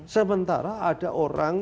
sementara ada orang